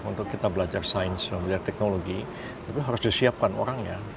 untuk kita belajar sains dan belajar teknologi itu harus disiapkan orangnya